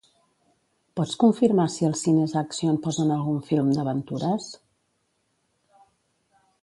Pots confirmar si als Cines Axion posen algun film d'aventures?